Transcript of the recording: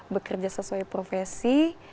bekerja sesuai profesi